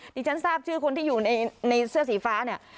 ดิฉันทราบชื่อคนที่อยู่ในเสื้อสีฟ้าเนี่ย